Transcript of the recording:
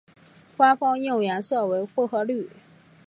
官方应援色为薄荷绿。